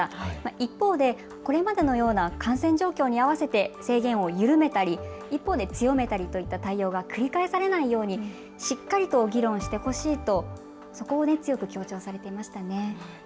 一方でこれまでのような感染状況に合わせて制限を緩めたり一方で強めたりといった対応が繰り返されないようにしっかりと議論してほしいと、そこを強く強調されていましたね。